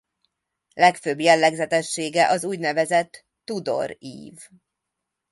Legfőbb jellegzetessége az úgynevezett tudor ív.